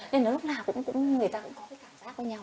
nên lúc nào cũng người ta cũng có cái cảm giác với nhau